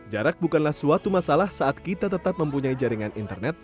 jarak bukanlah suatu masalah saat kita tetap mempunyai jaringan internet